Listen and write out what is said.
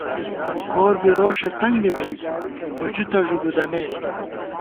گور بی روݭےتنگ بِمېت ہُجُتہ ݫُو گُودَمېت